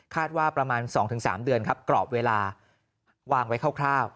ว่าประมาณ๒๓เดือนครับกรอบเวลาวางไว้คร่าว